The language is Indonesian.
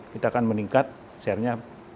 kita akan meningkat share nya